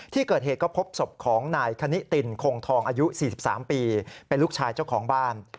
ที่เกิดเหตุก็พบศพของนายคณิตินคงทองอายุ๔๓ปีเป็นลูกชายเจ้าของบ้าน